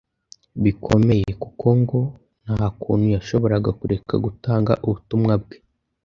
bikomeye, kuko ngo nta kuntu yashoboraga kureka gutanga ubutumwa bwe